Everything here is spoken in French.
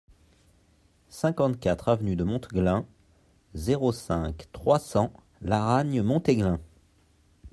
cinquante-quatre avenue de Monteglin, zéro cinq, trois cents, Laragne-Montéglin